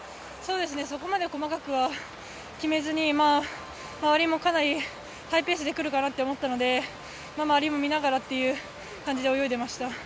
そこまで細かくは決めずに、周りもかなりハイペースで来るかなと思ったので、周りも見ながらっていう感じで泳いでました。